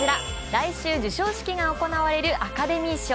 来週、授賞式が行われるアカデミー賞。